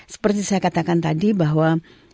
seperti saya katakan tadi bahwa